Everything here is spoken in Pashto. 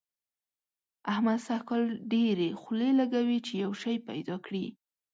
احمد سږ کال ډېرې خولې لګوي چي يو شی پيدا کړي.